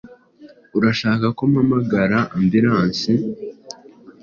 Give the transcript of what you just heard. Urashaka ko mpamagara ambulance?